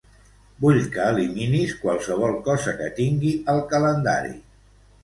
Vull que eliminis qualsevol cosa que tingui al calendari.